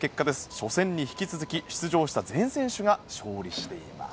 初戦に引き続き出場した全選手が勝利しています。